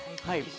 はい。